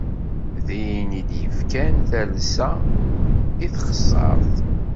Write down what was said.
D ddin i yefkan talsa i txeṣṣaṛt!